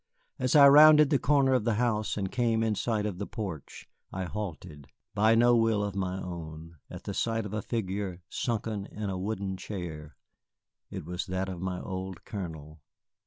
As I rounded the corner of the house and came in sight of the porch I halted by no will of my own at the sight of a figure sunken in a wooden chair. It was that of my old Colonel.